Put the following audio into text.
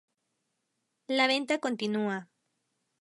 La venta continúa!